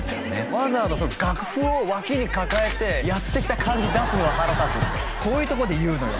わざわざ楽譜を脇に抱えてやってきた感じ出すのが腹立つってこういうとこで言うのよ